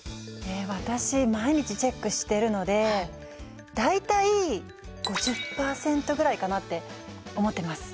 私毎日チェックしてるので大体５０％ぐらいかなって思ってます。